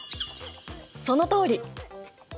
そのとおり！